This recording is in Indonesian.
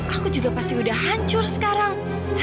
aku juga pasti udah hancur sekarang